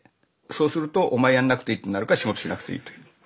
そうすると「お前やんなくていい」ってなるから仕事しなくていいという。